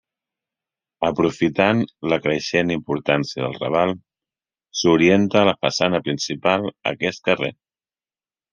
Aprofitant la creixent importància del Raval, s'orienta la façana principal a aquest carrer.